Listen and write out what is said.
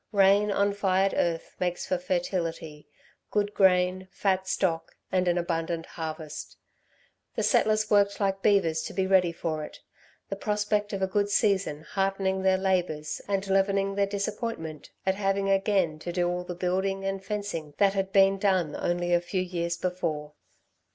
Rain on fired earth makes for fertility, good grain, fat stock and an abundant harvest. The settlers worked like beavers to be ready for it, the prospect of a good season heartening their labours and leavening their disappointment at having again to do all the building and fencing that had been done only a few years before.